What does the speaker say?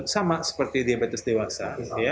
sama seperti diabetes dewasa